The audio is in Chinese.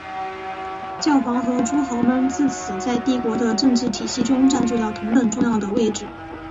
教皇和诸侯们自此在帝国的政治体系中占据了同等重要的位置。